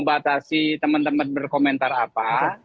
batasi teman teman berkomentar apa